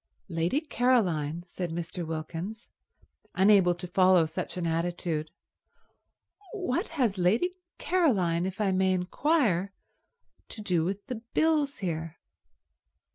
"Lady Caroline?" said Mr. Wilkins, unable to follow such an attitude. "What has Lady Caroline, if I may inquire, to do with the bills here?"